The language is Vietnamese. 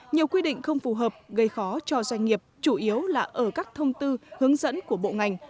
nhiều quy định không phù hợp gây khó cho doanh nghiệp chủ yếu là ở các thông tư hướng dẫn của bộ ngành